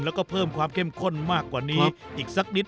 แล้วก็เพิ่มความเข้มข้นมากกว่านี้อีกสักนิด